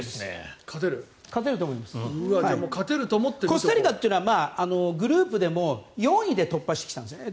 コスタリカというのはグループでも４位で突破してきたんですね。